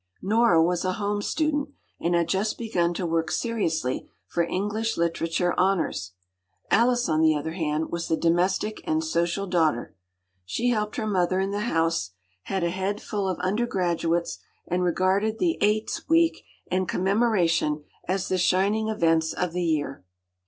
Nora was a “Home Student,” and had just begun to work seriously for English Literature Honours. Alice on the other hand was the domestic and social daughter. She helped her mother in the house, had a head full of undergraduates, and regarded the “Eights” week and Commemoration as the shining events of the year.